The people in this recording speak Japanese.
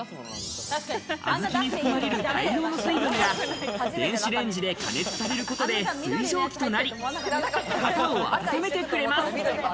あずきに含まれる大量の水分が電子レンジで加熱されることで水蒸気となり、肩を温めてくれます。